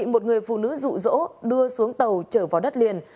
một người phụ nữ dụ dỗ đưa xuống tàu trở vào đất liền